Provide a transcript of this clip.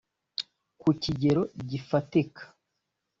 Ku kigero gifatika